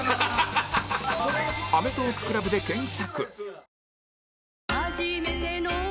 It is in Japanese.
「アメトーーク ＣＬＵＢ」で検索